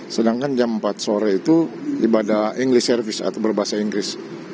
sedangkan jam empat sore itu ibadah engly service atau berbahasa inggris